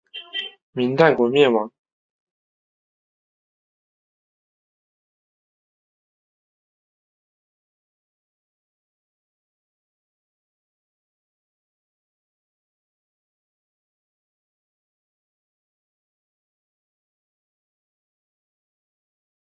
安艺长滨站吴线的铁路车站。